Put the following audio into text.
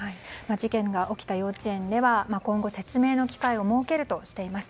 事件が起きた幼稚園では今後説明の機会を設けるとしています。